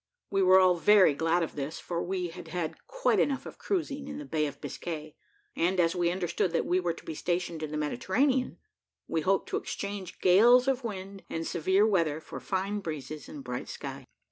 We were all very glad of this: for we had had quite enough of cruising in the Bay of Biscay; and, as we understood that we were to be stationed in the Mediterranean, we hoped to exchange gales of wind and severe weather for fine breezes and a bright sky.